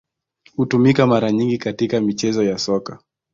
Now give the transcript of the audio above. Hutumika mara nyingi katika michezo ya Soka.